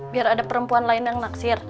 biar ada perempuan lain yang naksir